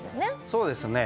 そうですね。